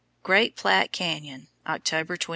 GREAT PLATTE CANYON, October 23.